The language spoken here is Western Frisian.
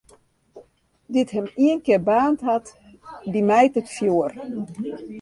Dy't him ienkear baarnd hat, dy mijt it fjoer.